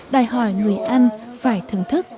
đòi hỏi người ăn phải thưởng thức